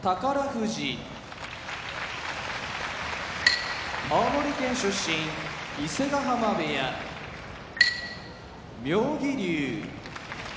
富士青森県出身伊勢ヶ濱部屋妙義龍